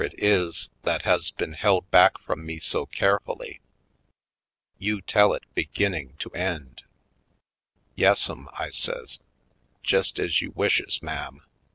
Poindexterj Colored is, that has been held back from me so care fully. You tell it beginning to end!" "Yassum," I says, "jest ez you wishes, ma'am."